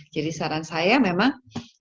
jadi saran saya memang